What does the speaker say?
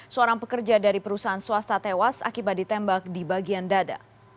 seorang pekerja dari perusahaan swasta tewas akibat ditembak di bagian dada